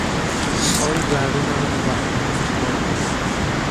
آن ضربه مرا موقتا از حال برد.